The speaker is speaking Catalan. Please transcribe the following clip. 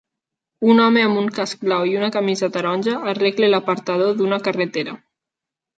Un home amb un casc blau i una camisa taronja arregla l'apartador d'una carretera